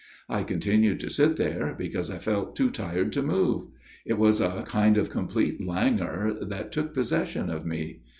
I continued to sit there, because I felt too tired to move. It was a kind of complete languor that took posses sion of me.